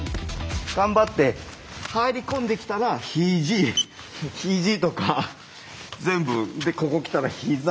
頑張って入り込んできたら肘肘とか全部でここ来たら膝。